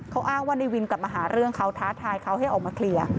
เขาอ้างว่าในวินกลับมาหาเรื่องเขาท้าทายเขาให้ออกมาเคลียร์